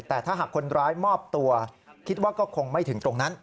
แต่ถ้าหากคนร้ายมอบตัวคิดว่าก็คงไม่ถึงตรงนั้น